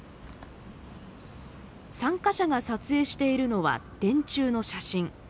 参加者が撮影しているのは電柱の写真。